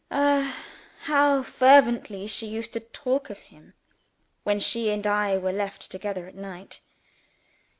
Ah, how fervently she used to talk of him when she and I were left together at night!